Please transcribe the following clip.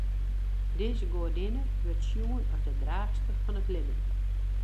Dizze goadinne wurdt sjoen as de draachster fan it libben.